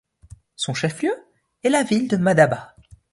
Son chef-lieu est la ville de Madaba.